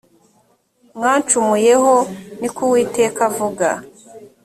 mwancumuyeho ni ko uwiteka avuga